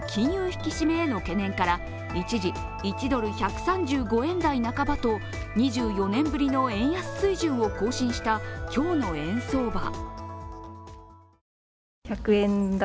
引き締めへの懸念から一時、１ドル＝１３５円台半ばと２４年ぶりの円安水準を更新した今日の円相場。